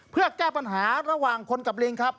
เพื่อแก้ปัญหาระหว่างคนกับลิงครับ